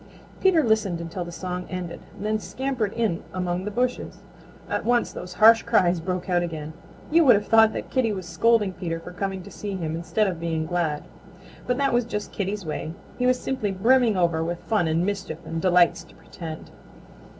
Peter listened until the song ended, then scampered in among the bushes. At once those harsh cries broke out again. You would have thought that Kitty was scolding Peter for coming to see him instead of being glad. But that was just Kitty's way. He is simply brimming over with fun and mischief, and delights to pretend.